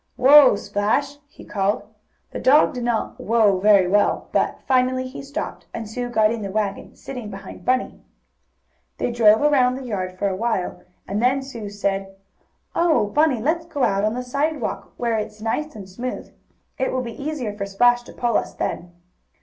Whoa, Splash!" he called. The dog did not "whoa" very well, but finally he stopped, and Sue got in the wagon, sitting behind Bunny. They drove around the yard for a while, and then Sue said: "Oh, Bunny, let's go out on the sidewalk, where it's nice and smooth. It will be easier for Splash to pull us then."